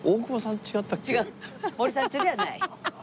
違う森三中ではない。